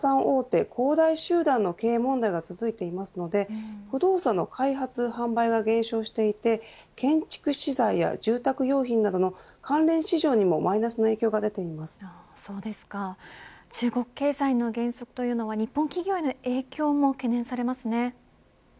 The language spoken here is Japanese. また中国の不動産大手恒大集団の経営問題が続いていますので不動産の開発販売が減少していて建築資材や住宅用品などの関連市場にも中国経済の減速というのは日本企業への影響も懸念されますね。